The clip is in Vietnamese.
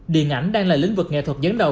điện ảnh đang là lĩnh vực nghệ thuật dẫn đầu